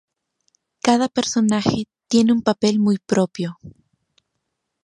Cada personaje tiene un papel muy propio.